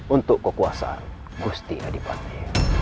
untuk kekuasaan gusti adipati